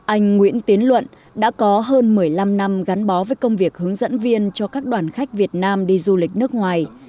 anh nguyễn tiến luận đã có hơn một mươi năm năm gắn bó với công việc hướng dẫn viên cho các đoàn khách việt nam đi du lịch nước ngoài